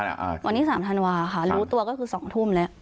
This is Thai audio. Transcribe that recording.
วันที่๓ธันวาค่ะรู้ตัวก็คือ๒ทุ่มแล้ว